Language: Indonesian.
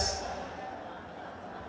tanpa perempuan hebat dibaliknya